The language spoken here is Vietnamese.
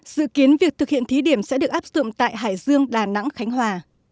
dự kiến việc thực hiện thí điểm sẽ được áp dụng tại hải dương đà nẵng khánh hòa